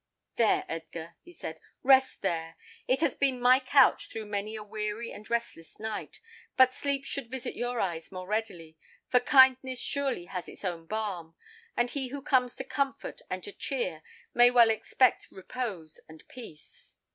"There, Edgar," he said, "rest there. It has been my couch through many a weary and restless night; but sleep should visit your eyes more readily, for kindness surely has its own balm, and he who comes to comfort and to cheer may well expect repose and peace."